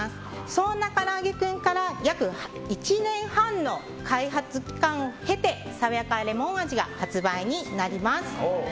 そんなからあげクンから約１年半の開発期間を経てさわやかレモン味が発売になります。